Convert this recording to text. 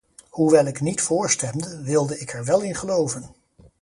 Hoewel ik niet voorstemde, wilde ik er wel in geloven.